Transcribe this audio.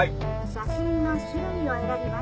写真の種類を選びます。